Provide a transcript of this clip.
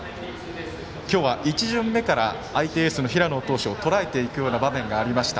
今日は１巡目から相手エース、平野投手をとらえていく場面がありました。